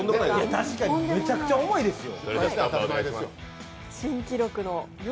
確かにめちゃくちゃ重いですよ。